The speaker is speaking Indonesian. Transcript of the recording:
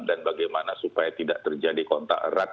dan bagaimana supaya tidak terjadi kontak erat